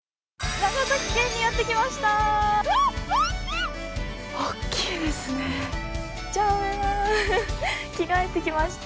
長崎県にやってきました！